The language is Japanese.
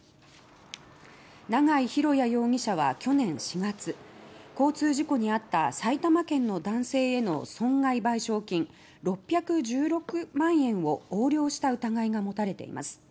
永井博也容疑者は去年４月交通事故にあった埼玉県の男性への損害賠償金６１６万円を横領した疑いがもたれています。